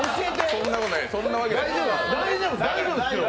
そんなことない。